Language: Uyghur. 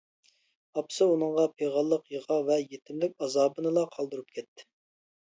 ئاپىسى ئۇنىڭغا پىغانلىق يىغا ۋە يېتىملىك ئازابىنىلا قالدۇرۇپ كەتتى.